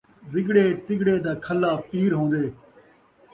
وڳڑے تڳڑے دا کھلّا پیر ہون٘دے